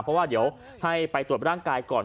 เพราะว่าเดี๋ยวให้ไปตรวจร่างกายก่อน